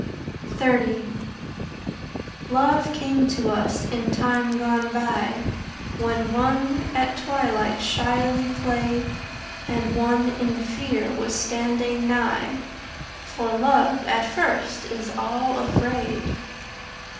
XXX Love came to us in time gone by When one at twilight shyly played And one in fear was standing nigh For Love at first is all afraid.